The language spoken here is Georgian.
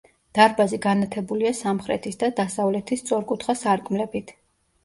დარბაზი განათებულია სამხრეთის და დასავლეთის სწორკუთხა სარკმლებით.